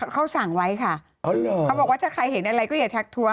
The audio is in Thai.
เขาสั่งไว้ค่ะเขาบอกว่าถ้าใครเห็นอะไรก็อย่าทักท้วง